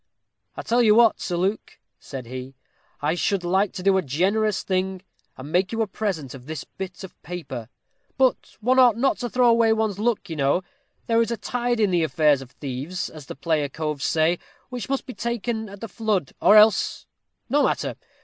"I tell you what, Sir Luke," said he; "I should like to do a generous thing, and make you a present of this bit of paper. But one ought not to throw away one's luck, you know there is a tide in the affairs of thieves, as the player coves say, which must be taken at the flood, or else no matter!